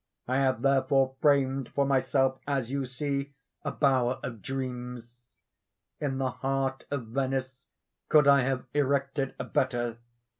I have therefore framed for myself, as you see, a bower of dreams. In the heart of Venice could I have erected a better?